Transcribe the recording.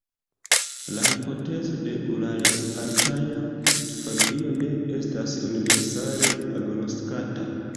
La hipotezo de ural-altaja familio ne estas universale agnoskata.